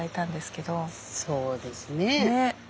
そうですね。